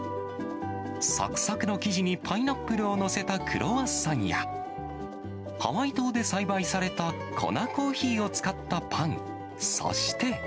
さくさくの生地にパイナップルを載せたクロワッサンや、ハワイ島で栽培されたコナコーヒーを使ったパン、そして。